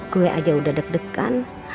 gue aja udah deg degan